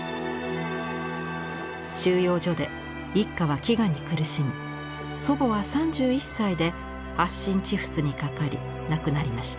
収容所で一家は飢餓に苦しみ祖母は３１歳で発疹チフスにかかり亡くなりました。